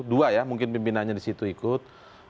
dua ya mungkin pimpinannya di situ ikut